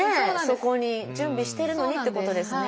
そこに準備してるのにってことですね。